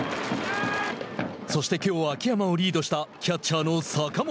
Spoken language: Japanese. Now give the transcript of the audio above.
そして、きょう秋山をリードしたキャッチャーの坂本。